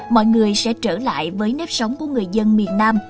mọi người sẽ trở lại với nếp sống của người dân miền nam